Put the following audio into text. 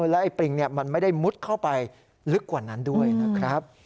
และไอ้ปริงมันไม่ได้มุดเข้าไปลึกกว่านั้นด้วยนะครับ